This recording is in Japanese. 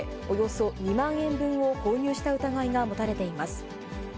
およそ２万円分を購入した疑いが持たれています。